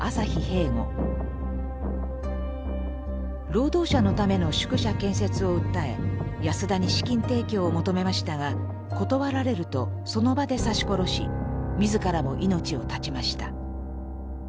労働者のための宿舎建設を訴え安田に資金提供を求めましたが断られるとその場で刺し殺し自らも命を絶ちました。